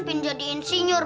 pin jadi insinyur